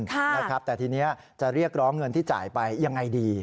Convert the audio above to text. แต่ทีนี้จะเรียกร้องเงินที่จ่ายไปยังไงดี